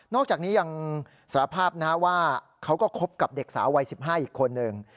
อกจากนี้ยังสารภาพว่าเขาก็คบกับเด็กสาววัย๑๕อีกคนหนึ่ง